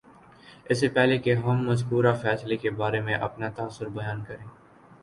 اس سے پہلے کہ ہم مذکورہ فیصلے کے بارے میں اپنا تاثر بیان کریں